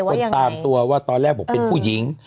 คือเมื่อคุณตามตัวว่าตอนแรกผมเป็นผู้หญิง